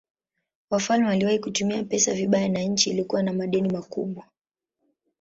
Wafalme waliwahi kutumia pesa vibaya na nchi ilikuwa na madeni makubwa.